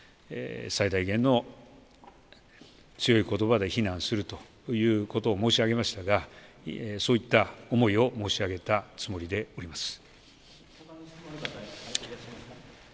最大限の強いことばで非難するということも申し上げましたがそういった思いを申し上げたつもりでおります。